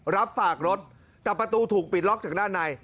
รับฝากรถแต่ประตูถูกปิดล็อกจากด้านใน